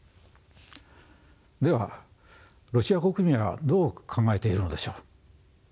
ではロシア国民はどう考えているのでしょう？